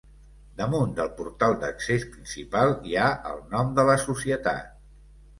Damunt del portal d'accés principal hi ha el nom de la societat.